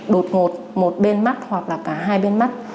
đột ngột một bên mắt hoặc là cả hai bên mắt